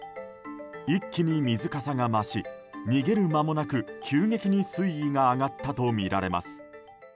一気に水かさが増し逃げる間もなく急激に水位が上がったとみられます。